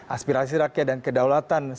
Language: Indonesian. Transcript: aspirasi rakyat dan kedalaman yang dari itu